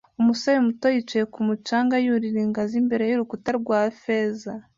Umusore muto yicaye kumu canga yurira ingazi imbere yurukuta rwa feza